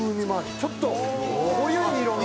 ちょっと濃ゆい色味の。